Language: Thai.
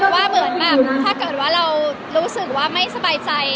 ว่าเหมือนแบบถ้าเกิดว่าเรารู้สึกว่าไม่สบายใจ